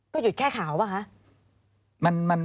ก็หยุดแค่ข่าวรึเปล่าครับ